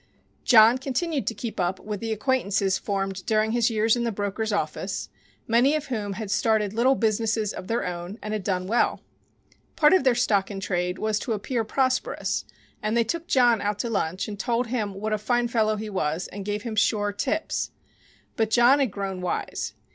John continued to keep up with the acquaintances formed during his years in the broker's office, many of whom had started little businesses of their own and had done well. Part of their stock in trade was to appear prosperous and they took John out to lunch, and told him what a fine fellow he was, and gave him sure tips. But John had grown "wise."